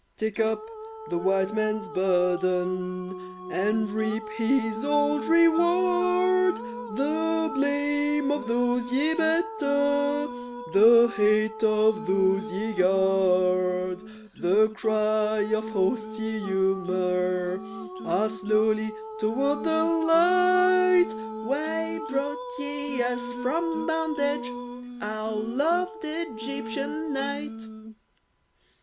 Take up the White Man's burden And reap his old reward; The blame of those ye better, The hate of those ye guard The cry of hosts ye humour (Ah, slowly!) toward the light: "Why brought ye us from bondage, Our loved Egyptian night?"